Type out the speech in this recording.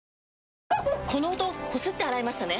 この音こすって洗いましたね？